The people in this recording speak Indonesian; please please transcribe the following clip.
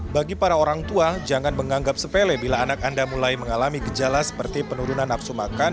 bagi para orang tua jangan menganggap sepele bila anak anda mulai mengalami gejala seperti penurunan nafsu makan